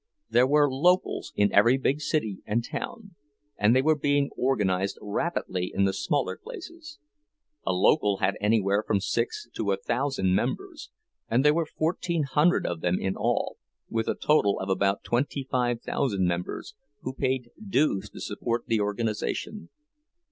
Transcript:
There were "locals" in every big city and town, and they were being organized rapidly in the smaller places; a local had anywhere from six to a thousand members, and there were fourteen hundred of them in all, with a total of about twenty five thousand members, who paid dues to support the organization.